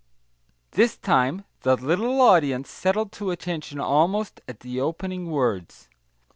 This time the little audience settled to attention almost at the opening words.